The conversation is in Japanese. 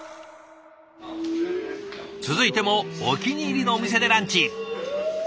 続いてもお気に入りのお店でランチ。